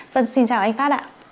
vâng xin chào anh phát ạ